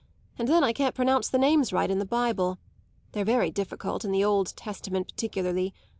And then I can't pronounce the names right in the Bible. They're very difficult, in the Old Testament particularly.